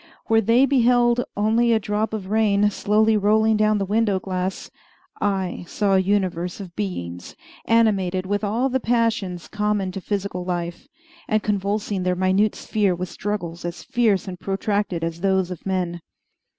Where they beheld only a drop of rain slowly rolling down the window glass, I saw a universe of beings animated with all the passions common to physical life, and convulsing their minute sphere with struggles as fierce and protracted as those of men.